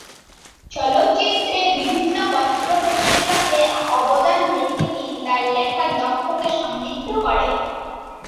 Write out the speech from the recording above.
চলচ্চিত্রের বিভিন্ন পত্র-পত্রিকাতে অবদান রেখে তিনি তার লেখার দক্ষতা সমৃদ্ধ করেন।